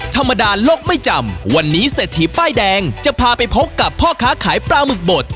ธรรมดาโลกไม่จำวันนี้เศรษฐีป้ายแดงจะพาไปพบกับพ่อค้าขายปลาหมึกบด